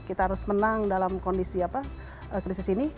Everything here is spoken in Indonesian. kita harus menang dalam kondisi krisis ini